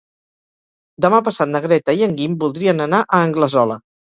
Demà passat na Greta i en Guim voldrien anar a Anglesola.